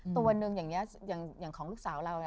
ตัวหนึ่งอย่างนี้อย่างของลูกสาวเรา